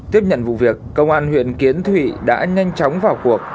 tiếp nhận vụ việc công an huyện kiến thụy đã nhanh chóng vào cuộc